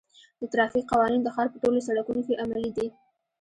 د ترافیک قوانین د ښار په ټولو سړکونو کې عملي دي.